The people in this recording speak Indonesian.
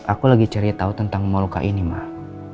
aku lagi cari tahu tentang mau luka ini mak